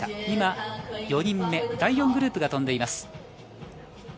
今、４人目、第４グループが飛んでいます。